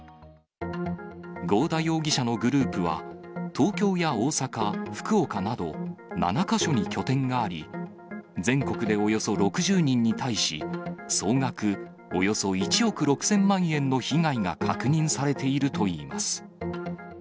合田容疑者のグループは、東京や大阪、福岡など、７か所に拠点があり、全国でおよそ６０人に対し、総額およそ１億６０００万円の被害が確認されているといいます。